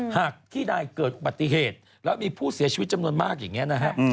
หากที่ใดเกิดอุบัติเหตุแล้วมีผู้เสียชีวิตจำนวนมากอย่างนี้นะฮะ